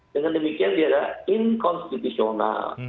dengan demikian dia adalah inkonstitusional